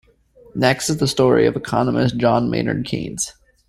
Next is the story of economist John Maynard Keynes.